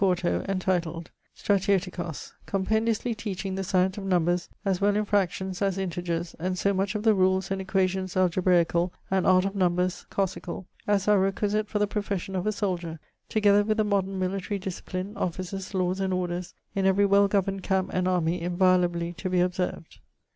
Mr. Thomas Digges: he wrote a booke in 4to, entituled 'Stratioticos, compendiously teaching the science of nombres as well in fractions as integers, and so much of the rules and aequations algebraicall and art of nombers cossicall as are requisite for the profession of a soldier; together with the modern militarie discipline, offices, lawes and orders in every well governed camp and armie inviolably to be observed.'